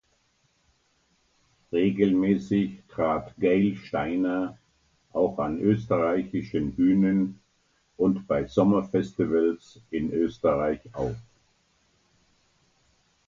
Regelmäßig trat Gail Steiner auch an österreichischen Bühnen und bei Sommerfestivals in Österreich auf.